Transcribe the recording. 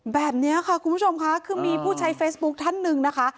แบบนี้ค่ะคุณผู้ชมค่ะคือมีผู้ใช้เฟซบุ๊คท่านหนึ่งนะคะ